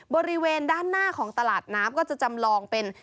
บริเวณด้านหน้าของตลาดน้ำก็จะจำลองเป็น